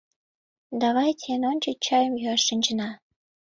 Давайте эн ончыч чайым йӱаш шинчына.